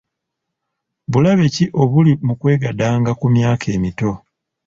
Bulabe ki obuli mu kwegadanga ku myaka emito?